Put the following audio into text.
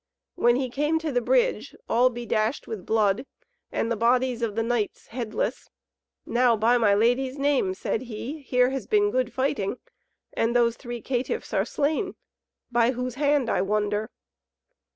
When he came to the bridge all bedashed with blood, and the bodies of the knights headless, "Now, by my lady's name," said he, "here has been good fighting, and those three caitiffs are slain! By whose hand I wonder?"